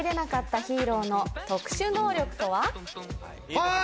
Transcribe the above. はい！